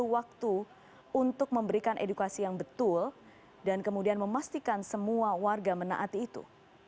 waktu untuk memberikan edukasi yang kemudian memastikan semua warga menaati itu